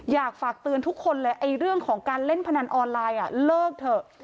อยากฝากเตือนทุกคนเลยเรื่องของการเล่นพนันออนไลน์เลิกเถอะ